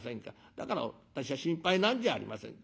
だから私は心配なんじゃありませんか。